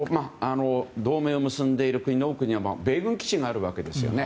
アメリカと同盟を結んでいる国の多くには米軍基地があるわけですよね。